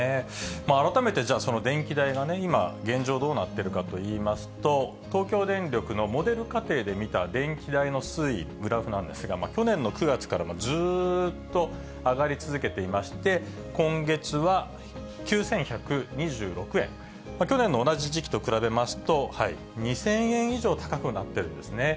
改めてその電気代が今、現状、どうなっているかといいますと、東京電力のモデル家庭で見た電気代の推移、グラフなんですが、去年の９月からずっと上がり続けていまして、今月は９１２６円、去年の同じ時期と比べますと、２０００円以上高くなっているんですね。